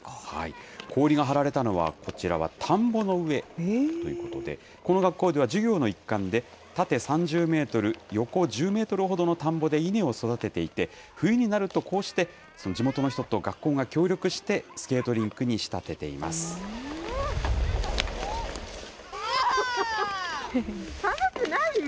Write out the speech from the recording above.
氷が張られたのは、こちらは田んぼの上ということで、この学校では、授業の一環で、縦３０メートル、横１０メートルほどの田んぼで稲を育てていて、冬になると、こうして地元の人と学校が協力して、スケートリンクに仕立ててい寒くない？